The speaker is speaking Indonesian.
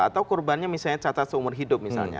atau kurbannya misalnya catat seumur hidup